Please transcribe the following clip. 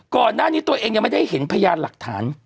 ก่อนหน้านี้ตัวเองยังไม่ได้เห็นพยานหลักฐาน